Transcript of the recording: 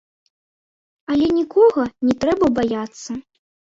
Але нікога не трэба баяцца.